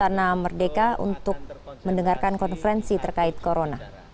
istana merdeka untuk mendengarkan konferensi terkait corona